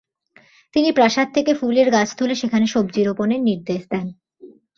তিনি প্রাসাদ থেকে ফুলের গাছ তুলে সেখানে সবজি রোপণের নির্দেশ দেন।